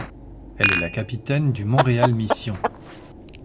Elle est la capitaine du Montréal Mission.